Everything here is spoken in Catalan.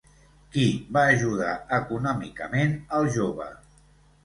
Qui va ajudar econòmicament al jove?